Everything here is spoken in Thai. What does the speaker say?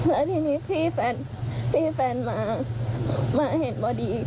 และทีนี้พี่แฟนมาเห็นบ่ดี